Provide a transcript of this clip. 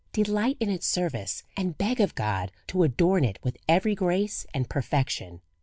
Delight in its service, and beg of God to adorn it with every grace and perfection.